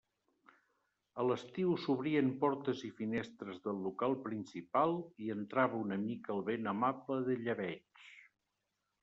A l'estiu s'obrien portes i finestres del local principal i entrava una mica el vent amable de llebeig.